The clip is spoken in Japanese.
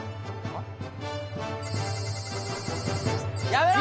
・やめろ！